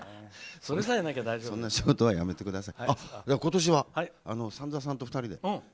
そんな仕事はやめてください。